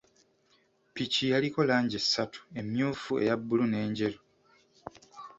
Ppiki yaliko langi ssatu, emmyuufu, eya bbulu n’enjeru.